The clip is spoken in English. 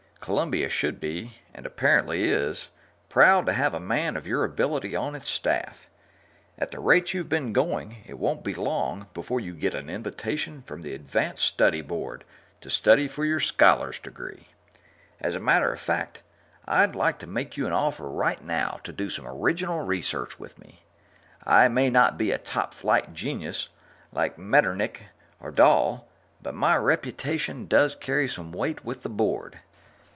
Columbia should be and apparently is proud to have a man of your ability on its staff. At the rate you've been going, it won't be long before you get an invitation from the Advanced Study Board to study for your Scholar's degree. As a matter of fact, I'd like to make you an offer right now to do some original research with me. I may not be a top flight genius like Metternick or Dahl, but my reputation does carry some weight with the Board.